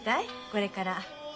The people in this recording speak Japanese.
これから。